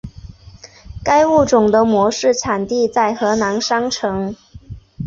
该物种的模式产地在河南商城。